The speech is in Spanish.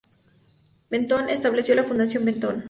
Benton estableció la Fundación Benton.